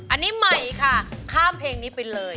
อันนี้ใหม่ค่ะข้ามเพลงนี้ไปเลย